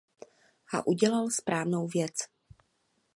A udělal správnou věc.